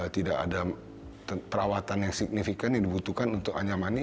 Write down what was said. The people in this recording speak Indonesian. tidak ada perawatan yang signifikan yang dibutuhkan untuk anyamani